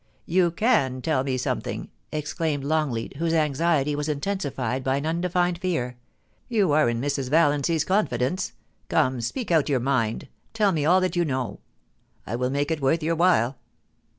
' You can tell me something !' exclaimed Longleat, whose anxiety was intensified by an undefined fear. * You are in Mrs. Valiancy's confidence. Come, speak out your mind ; tell me all that you know. I will make it worth your while.'